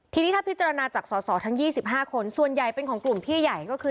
ทีนี้ถ้าพิจารณาจากสอสอทั้ง๒๕คนส่วนใหญ่เป็นของกลุ่มพี่ใหญ่ก็คือ